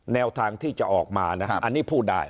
แนวทางที่จะออกมานะอันนี้พูดได้